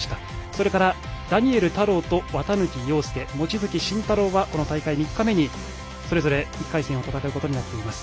それからダニエル太郎と綿貫陽介、望月慎太郎は４日目にそれぞれ戦うことになっています。